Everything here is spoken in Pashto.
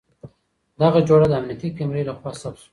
دغه جوړه د امنيتي کمرې له خوا ثبت شوه.